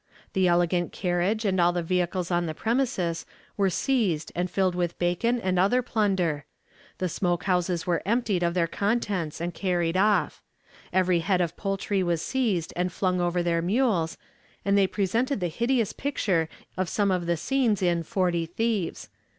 The elegant carriage and all the vehicles on the premises were seized and filled with bacon and other plunder. The smokehouses were emptied of their contents and carried off. Every head of poultry was seized and flung over their mules, and they presented the hideous picture in some of the scenes in 'Forty Thieves.'